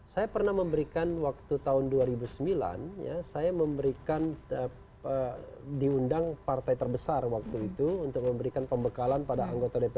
saya pernah memberikan waktu tahun dua ribu sembilan saya memberikan diundang partai terbesar waktu itu untuk memberikan pembekalan pada anggota dpr